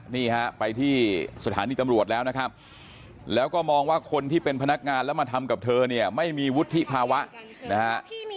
นี่ฮะไปที่สถานีตำรวจแล้วนะครับแล้วก็มองว่าคนที่เป็นพนักงานแล้วมาทำกับเธอเนี่ยไม่มีวุฒิภาวะนะฮะ